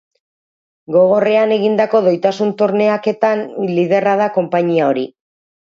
Gogorrean egindako doitasun-torneaketan liderra da konpainia hori.